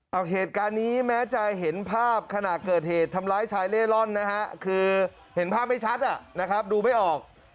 เอาเหตุการณ์นี้แม้จะเห็นภาพขณะเกิดเหตุทำร้ายชายเล่ร่อนนะฮะคือเห็นภาพไม่ชัดอ่ะนะครับดูไม่ออก